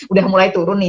udah mulai turun nih